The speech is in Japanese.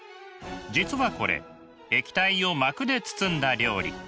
実はこれ液体を膜で包んだ料理。